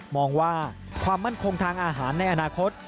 มองว่าความมั่นคงทางอาหารในอนาคต